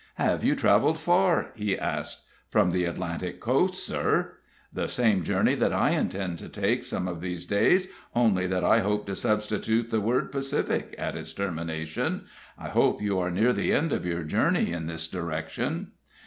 "Have you traveled far?" he asked. "From the Atlantic coast, sir." "The same journey that I intend to take some of these days, only that I hope to substitute the word Pacific at its termination. I hope you are near the end of your journey in this direction?"